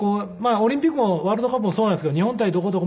オリンピックもワールドカップもそうなんですけど日本対どこどこ。